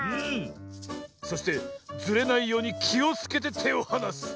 そしてずれないようにきをつけててをはなす。